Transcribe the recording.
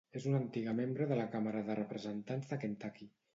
És una antiga membre de la càmera de representants de Kentucky.